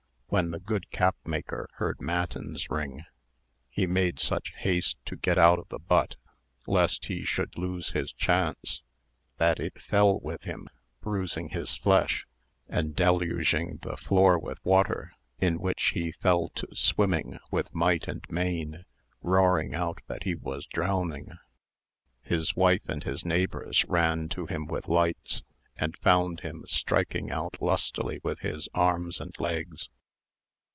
When the good cap maker heard matins ring, he made such haste to get out of the butt, lest he should lose his chance, that it fell with him, bruising his flesh, and deluging the floor with water, in which he fell to swimming with might and main, roaring out that he was drowning. His wife and his neighbours ran to him with lights, and found him striking out lustily with his legs and arms.